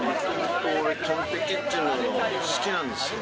トンテキっていうのは好きなんですよ。